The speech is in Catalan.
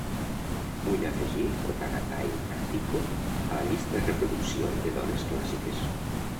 Vull afegir Ottagathai Kattiko a la llista de reproducció de dones clàssiques.